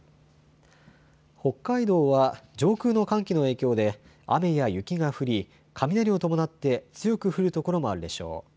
北海道は上空の寒気の影響で雨や雪が降り雷を伴って強く降る所もあるでしょう。